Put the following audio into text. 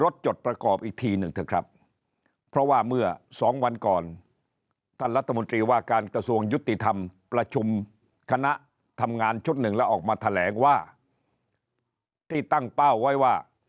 ที่ตั้งเป้าไว้ว่า